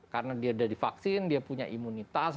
karena dia sudah divaksin dia punya imunitas